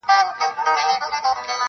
په پنځمه ورځ مور له کور څخه ذهناً وځي,